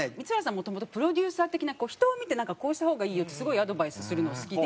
もともとプロデューサー的な人を見てなんかこうした方がいいよってすごいアドバイスするの好きで。